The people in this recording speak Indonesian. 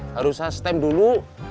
harus saya stem dulu